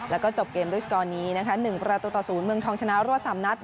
แล้วก็จบเกมด้วยสกอร์นี้นะคะ๑ประตูต่อ๐เมืองทองชนะรวด๓นัด